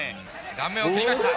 顔面を蹴りました。